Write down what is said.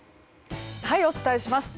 お伝えします。